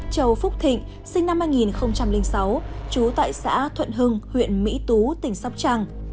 châu phúc thịnh sinh năm hai nghìn sáu trú tại xã thuận hưng huyện mỹ tú tỉnh sóc trăng